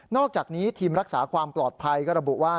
อกจากนี้ทีมรักษาความปลอดภัยก็ระบุว่า